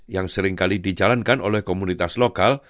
yang seringkali dijalankan oleh komunitas lokal